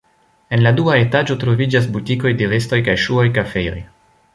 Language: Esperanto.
En la dua etaĝo troviĝas butikoj de vestoj kaj ŝuoj, kafejoj.